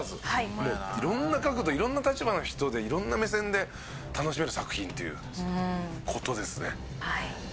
もう色んな角度色んな立場の人で色んな目線で楽しめる作品っていう事ですね。